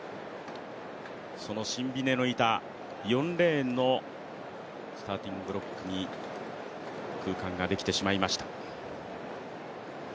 そのシンビネのいた４レーンのスターティングブロックに空間ができてしまいました。